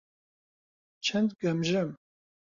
چەند گەمژەم!